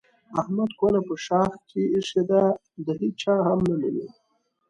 احمد کونه په شاخ کې ایښې ده د هېچا هم نه مني.